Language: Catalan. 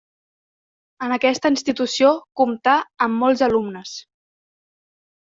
En aquesta institució comptà amb molts alumnes.